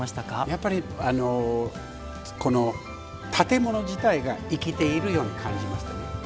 やっぱりこの建物自体が生きているように感じましたね。